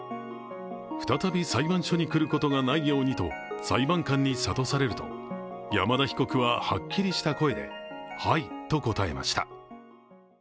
再び裁判所に来ることがないようにと裁判官に諭されると山田被告ははっきりした声で「はい」と答えました。